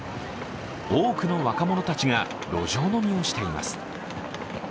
多くの若者たちが路上飲みをしています。